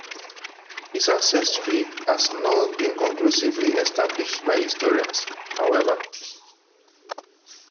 His ancestry has not been conclusively established by historians, however.